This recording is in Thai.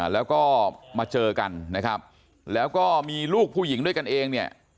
แล้วก็มาเจอกันนะครับแล้วก็มีลูกผู้หญิงด้วยกันเองเนี่ย